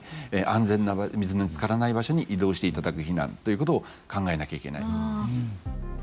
安全な水につからない場所に移動していただく避難ということを考えなきゃいけない。